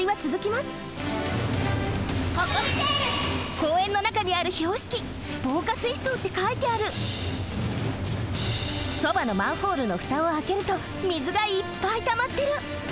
こうえんのなかにあるひょうしき「防火水そう」ってかいてあるそばのマンホールのふたをあけるとみずがいっぱいたまってる。